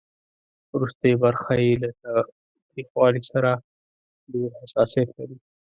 ورستۍ برخه یې له تریخوالي سره ډېر حساسیت لري.